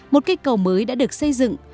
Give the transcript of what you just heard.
một cây cầu mới đã được xây dựng